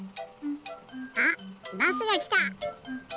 あっバスがきた！